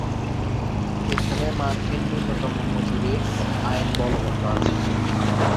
এখানে মার্কিন ন্যূনতম মজুরির আইন বলবৎ আছে।